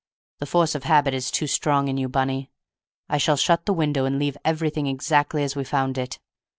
The force of habit is too strong in you, Bunny. I shall shut the window and leave everything exactly as we found it.